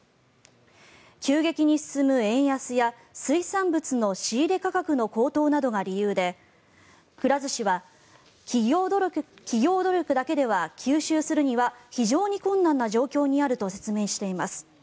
急激に進む円安や水産物の仕入れ価格の高騰などが理由でくら寿司は企業努力だけでは、吸収するには非常に困難な状況にあると説明しています。